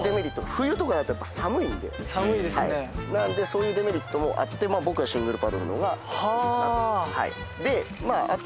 冬とかだとやっぱ寒いんで寒いですねなのでそういうデメリットもあってまあ僕はシングルパドルの方がはあでまあかっこ